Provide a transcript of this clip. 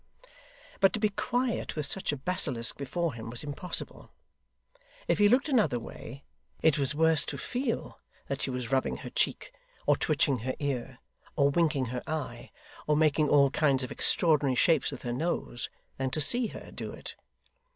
But to be quiet with such a basilisk before him was impossible. If he looked another way, it was worse to feel that she was rubbing her cheek, or twitching her ear, or winking her eye, or making all kinds of extraordinary shapes with her nose, than to see her do it.